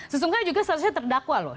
sesungguhnya juga statusnya terdakwa loh